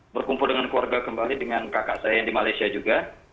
berkumpul dengan keluarga kembali dengan kakak saya yang di malaysia juga